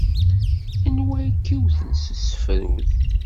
Anwa ay k-iwten s tefrut?